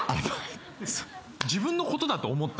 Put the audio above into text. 自分のことだと思った？